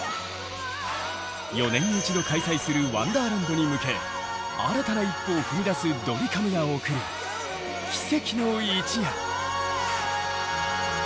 ４年に一度開催するワンダーランドに向け新たな一歩を踏み出すドリカムが贈る奇跡の一夜。